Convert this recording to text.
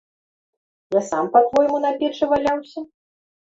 Я сам, па-твойму, на печы валяўся?